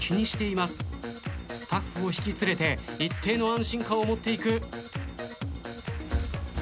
スタッフを引き連れて一定の安心感を持っていく。